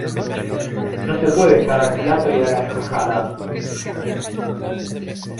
No se puede estar al plato y a las tajadas.